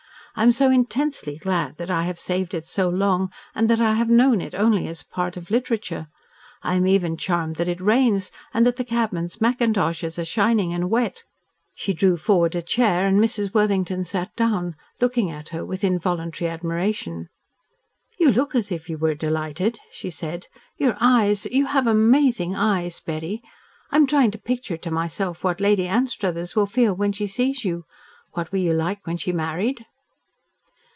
I am so intensely glad that I have saved it so long and that I have known it only as part of literature. I am even charmed that it rains, and that the cabmen's mackintoshes are shining and wet." She drew forward a chair, and Mrs. Worthington sat down, looking at her with involuntary admiration. "You look as if you were delighted," she said. "Your eyes you have amazing eyes, Betty! I am trying to picture to myself what Lady Anstruthers will feel when she sees you. What were you like when she married?"